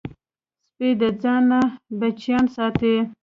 سپي د ځان نه بچیان ساتي.